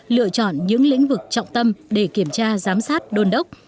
lựa chọn những lĩnh vực trọng tâm để kiểm tra giám sát đôn đốc